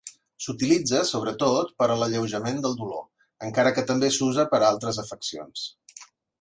S'utilitza sobretot per a l'alleujament del dolor, encara que també s'usa per a altres afeccions.